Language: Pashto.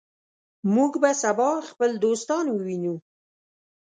موږ به سبا خپل دوستان ووینو.